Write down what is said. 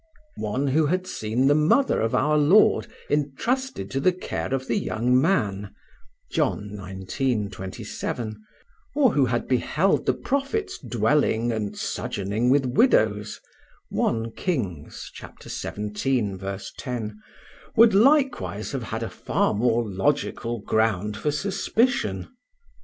One who had seen the mother of Our Lord entrusted to the care of the young man (John xix, 27), or who had beheld the prophets dwelling and sojourning with widows (I Kings xvii, 10), would likewise have had a far more logical ground for suspicion.